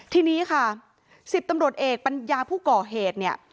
ทีนี้ค่ะ๑๐ตำรวจเอกปัญญาผู้ก่อเหตุเนี่ย